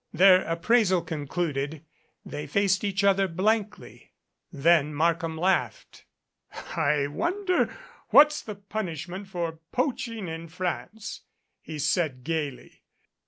Their appraisal concluded, they faced each other blankly. Then Markham laughed. "I wonder what's the punishment for poaching in France," he said gaily.